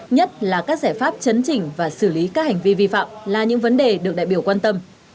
nhất là các giải pháp chấn chỉnh và xử lý các hành vi vi phạm là những vấn đề được đại biểu quan tâm